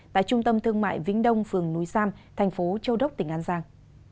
tại trung tâm thương mại vĩnh đông phường núi sam thành phố châu đốc tỉnh an giang